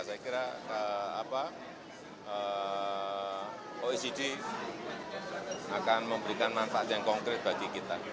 saya kira oecd akan memberikan manfaat yang konkret bagi kita